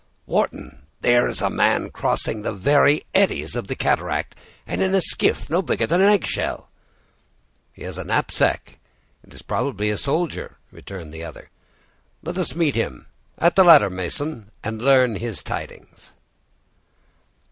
Wharton, there is a man crossing in the very eddies of the cataract, and in a skiff no bigger than an eggshell." "He has a knapsack—it is probably a soldier," returned the other. "Let us meet him at the ladder, Mason, and learn his tidings."